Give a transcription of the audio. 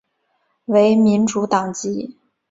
为民主党籍。